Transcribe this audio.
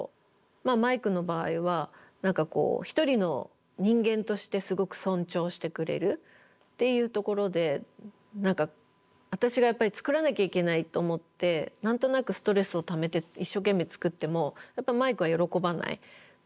まあマイクの場合は一人の人間としてすごく尊重してくれるっていうところで何か私がやっぱり作らなきゃいけないと思って何となくストレスをためて一生懸命作ってもマイクは喜ばない。